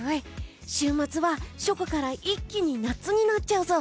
週末は初夏から一気に夏になっちゃうぞ。